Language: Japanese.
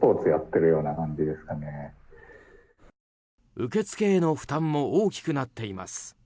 受け付けの負担も大きくなっています。